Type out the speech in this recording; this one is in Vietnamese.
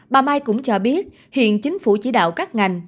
bà mai cũng cho biết hiện chính phủ chỉ đạo các ngành